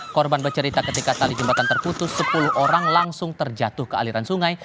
korban bercerita ketika tali jembatan terputus sepuluh orang langsung terjatuh ke aliran sungai